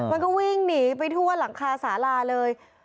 มันก็วิ่งหนีไปทั่วหลังคาสาลาเลย